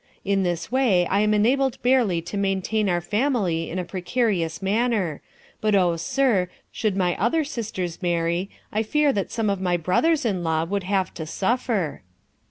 In this way I am enabled barely to maintain our family in a precarious manner; but, oh, sir, should my other sisters marry, I fear that some of my brothers in law would have to suffer."